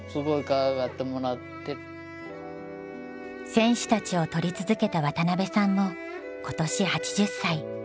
選手たちを撮り続けた渡邉さんも今年８０歳。